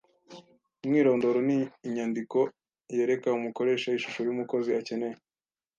Umwirondoro ni inyandiko yereka umukoresha ishusho y’umukozi akeneye